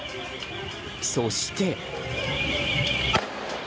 そして。